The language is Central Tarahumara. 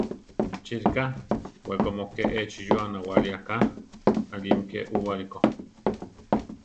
¿Chi ríka, wekómo ke échi yúa nawáli aká, aʼlími ké úbali ko?